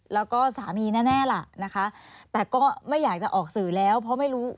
แล้วก็สามีแน่ล่ะนะคะแต่ก็ไม่อยากจะออกสื่อแล้วเพราะไม่รู้